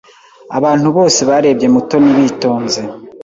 Abantu bose barebye Mutoni bitonze.